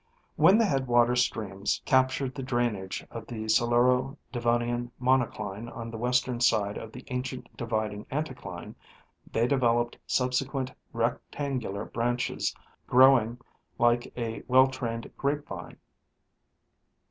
When the headwater streams captured the drainage of the Siluro Devonian monocline on the western side of the ancient dividing anticline, they developed subsequent rectangular branches o rowing like a well trained grape vine.